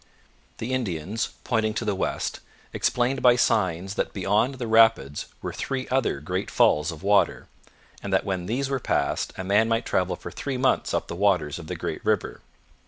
The Indians, pointing to the west, explained by signs that beyond the rapids were three other great falls of water, and that when these were passed a man might travel for three months up the waters of the great river.